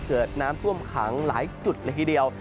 เกิดน้ำท่วมขังหลายจุดละทีเดียว